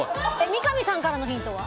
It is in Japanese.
三上さんからのヒントは？